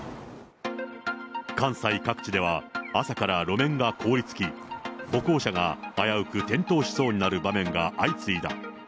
関西各地では朝から路面が凍りつき、歩行者が危うく転倒しそうになる場面が相次いだ。